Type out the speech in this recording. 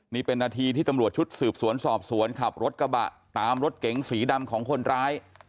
นี่เป็นนาทีที่ตำรวจชุดสืบสวนสอบสวนขับรถกระบะตามรถเก๋งสีดำของคนร้าย